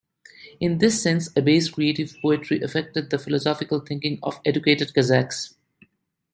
In this sense, Abay's creative poetry affected the philosophical thinking of educated Kazakhs.